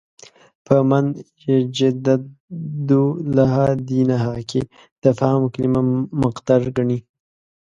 په «مَن یُجَدِّدُ لَهَا دِینَهَا» کې د «فهم» کلمه مقدر ګڼي.